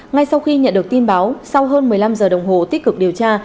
ngay sau khi nhận được tin báo sau hơn một mươi năm giờ đồng hồ tích cực điều tra